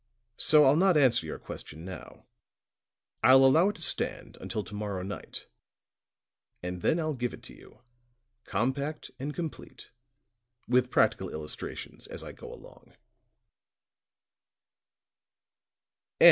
So I'll not answer your question now; I'll allow it to stand until to morrow night; and then I'll give it to you, compact and complete, with practical illustrations as I go along."